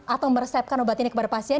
atau meresepkan obat ini kepada pasien